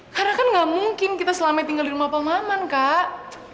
karena kan nggak mungkin kita selama ini tinggal di rumah pak maman kak